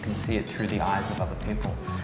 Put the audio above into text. anda dapat melihatnya melalui mata orang lain